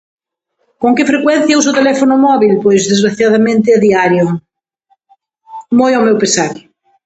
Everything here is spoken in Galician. Con que frecuencia uso o teléfono móbil? Pois, desgraciadamente, a diario, moi ao meu pesar.